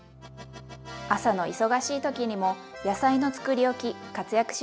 朝の忙しい時にも野菜のつくりおき活躍しますよ。